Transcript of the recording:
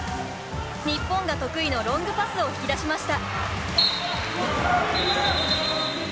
日本が得意のロングパスを引き出しました。